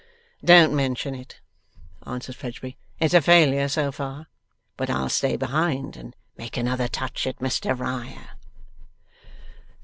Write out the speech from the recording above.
'Don't mention it,' answered Fledgeby. 'It's a failure so far, but I'll stay behind, and take another touch at Mr Riah.